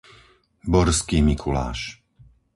Borský Mikuláš